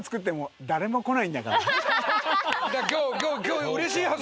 今日うれしいはず。